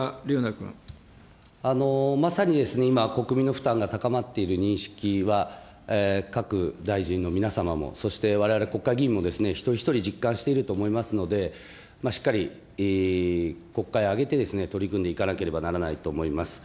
まさに今、国民の負担が高まっている認識は各大臣の皆様も、そしてわれわれ国会議員も一人一人実感していると思いますので、しっかり国会挙げて、取り組んでいかなければならないと思います。